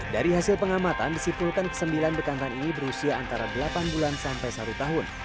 dari hasil pengamatan disimpulkan ke sembilan bekantan ini berusia antara delapan bulan sampai satu tahun